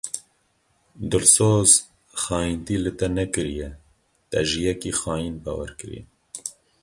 Dilsoz, xayintî li te nekiriye, te ji yekî xayîn bawer kiriye.